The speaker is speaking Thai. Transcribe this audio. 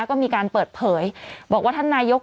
ก็มีการเปิดเผยบอกว่าท่านนายก